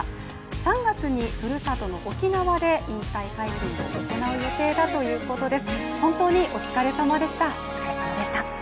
３月にふるさとの沖縄で引退会見を行う予定だということです。